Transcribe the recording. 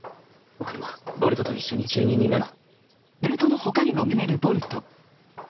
僕もボルトと一緒に中忍になるよ。